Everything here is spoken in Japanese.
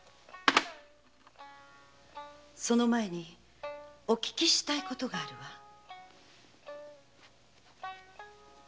その前にお訊きしたいことがあるわ。